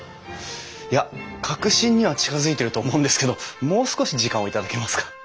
いや核心には近づいていると思うんですけどもう少し時間を頂けますか。